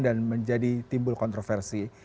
dan menjadi timbul kontroversi